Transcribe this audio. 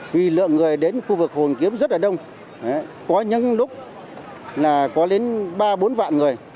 vì lượng người đến khu vực hồ hoàn kiếm rất đông có những lúc có đến ba bốn vạn người